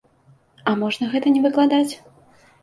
А можна гэта не выкладаць?